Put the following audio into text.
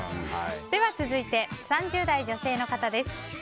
続いて、３０代女性の方です。